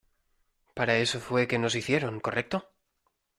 ¿ Para eso fue que nos hicieron, correcto?